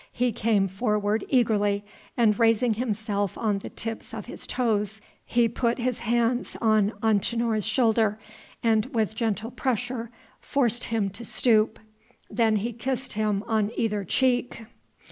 He came forward eagerly, and raising himself on the tips of his toes, he put his hands on Antinor's shoulder, and with gentle pressure forced him to stoop. Then he kissed him on either cheek.